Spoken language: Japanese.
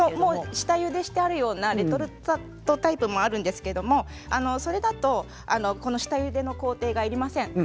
下ゆでしてあるようなレトルトタイプもあるんですけれども、それだとこの下ゆでの工程がいりません。